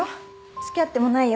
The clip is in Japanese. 付き合ってもないよ。